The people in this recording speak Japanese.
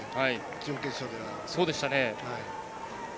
準決勝では。